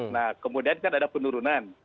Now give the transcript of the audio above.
nah kemudian kan ada penurunan